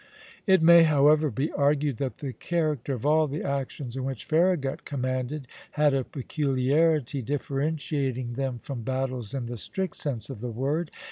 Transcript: It may, however, be argued that the character of all the actions in which Farragut commanded had a peculiarity, differentiating them from battles in the strict sense of the word.